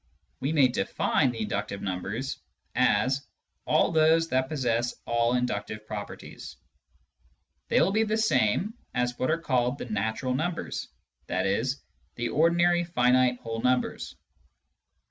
We may define the " inductive " numbers as all those that possess all inductive properties ; they will be the same as what are called the " natural " numbers, i.e. the ordinary finite whole numbers.